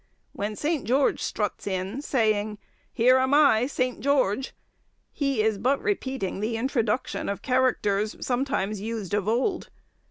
When St. George struts in, saying, "Here am I, St. George," he is but repeating the introduction of characters sometimes used of old.